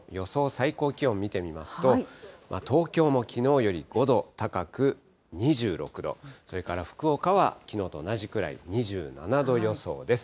最高気温見てみますと、東京もきのうより５度高く、２６度、それから福岡はきのうと同じくらい２７度予想です。